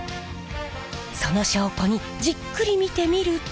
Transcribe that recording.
その証拠にじっくり見てみると。